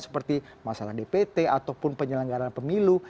seperti masalah dpt ataupun penyelenggaran pemilu